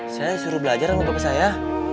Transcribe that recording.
saya suruh belajar sama bapak saya